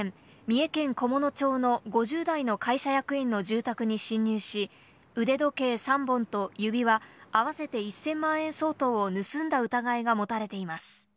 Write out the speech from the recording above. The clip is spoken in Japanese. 昨日午前、三重県菰野町の５０代の会社役員の住宅に侵入し、腕時計３本と指輪、合わせて１０００万円相当を盗んだ疑いが持たれています。